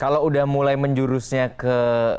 kalau udah mulai menjurusnya ke